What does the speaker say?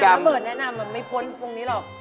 ถ้าอยากน้าเบิร์ดแนะนำมันไม่พ้นกับวงนี้หรอก